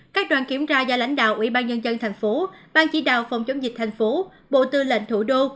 các đoàn kiểm tra do lãnh đạo ubnd tp ban chỉ đạo phòng chống dịch tp bộ tư lệnh thủ đô